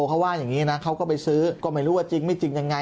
เขาว่าอย่างนี้นะเขาก็ไปซื้อก็ไม่รู้ว่าจริงไม่จริงยังไง